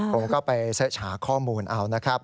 ผมก็ไปเสิร์ชฉาข้อมูลเอานะครับ